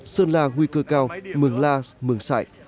sơn la nguy cơ cao mường la mường sại